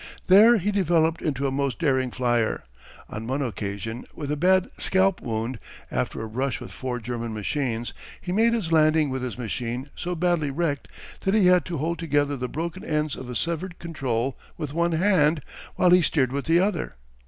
There he developed into a most daring flyer. On one occasion, with a bad scalp wound, after a brush with four German machines, he made his landing with his machine so badly wrecked that he had to hold together the broken ends of a severed control with one hand, while he steered with the other.